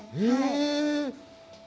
へえ。